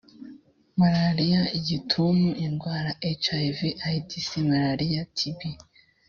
malaria igituntu indwara hiv aids malaria tb